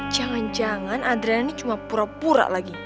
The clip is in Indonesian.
jangan jangan adrian ini cuma pura pura lagi